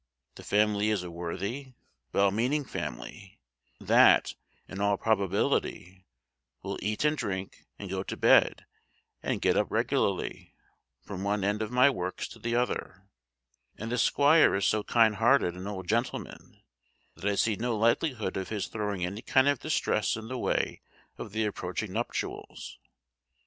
The family is a worthy, well meaning family, that, in all probability, will eat and drink, and go to bed, and get up regularly, from one end of my work to the other; and the squire is so kind hearted an old gentleman, that I see no likelihood of his throwing any kind of distress in the way of the approaching nuptials.